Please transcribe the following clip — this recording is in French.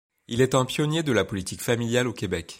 Il est un pionnier de la politique familiale au Québec.